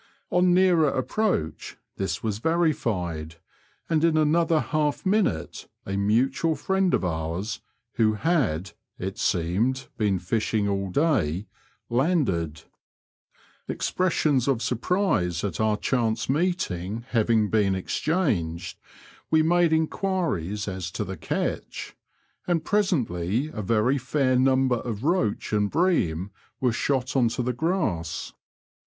On nearer approach this was verified, and in another half minute a mutual friend of ours, who had, it seemed, been fishing all day, landed. Expressions Digitized by VjOOQIC BECCLES TO ST OLAVES. 45 surprise at our chance meeting having been exchanged, we made enquiries as to the catch, and presently a very fair number of roach and bream were shot on to the grass.